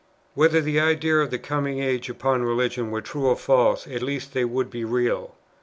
Whether the ideas of the coming age upon religion were true or false, at least they would be real.